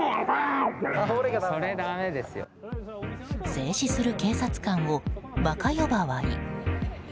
制止する警察官を馬鹿呼ばわり。